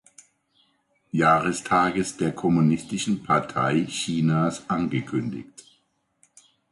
Jahrestages der Kommunistischen Partei Chinas angekündigt.